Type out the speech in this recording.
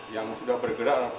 yang sudah bergerak